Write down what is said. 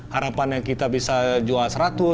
harapannya kita bisa jual seratus